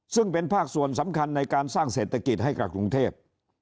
ซึ่งเป็นภาคส่วนสำคัญในการสร้างเศรษฐกิจให้กับกรุงเทพ